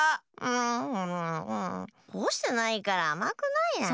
んんんほしてないからあまくないな。